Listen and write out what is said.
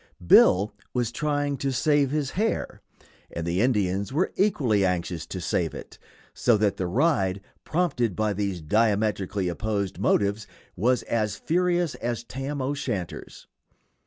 Bill was trying to save his hair, and the Indians were equally anxious to save it, so that the ride, prompted by these diametrically opposed motives, was as furious as Tam O'Shanter's.